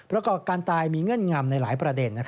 ประกอบการตายมีเงื่อนงำในหลายประเด็น